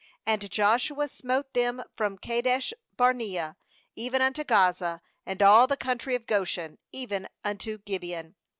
^And Joshua smote them from Kadesh barnea even unto Gaza, and all the country of Goshen, even unto Gibeon.